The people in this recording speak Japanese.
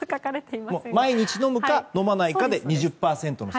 毎日飲むか飲まないかで２０％の差。